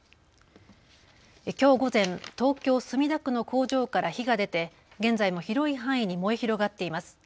きょう午前、東京墨田区の工場から火が出て現在も広い範囲に燃え広がっています。